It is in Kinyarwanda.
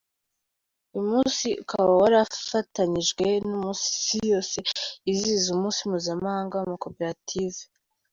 Uyu munsi ukaba warafatanyijwe n’umunsi Isi yose yizihiza umunsi mpuzamahanga w’amakoperative.